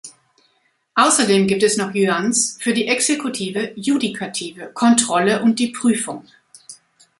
Außerdem gibt es noch Yuans für die "Exekutive", "Judikative", "Kontrolle" und die "Prüfung".